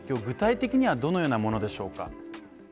具体的にはどのようなものでしょうか。